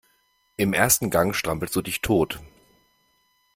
Im ersten Gang strampelst du dich tot.